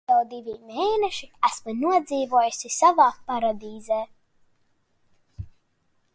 Turpat jau divi mēneši esmu nodzīvojusi savā paradīzē.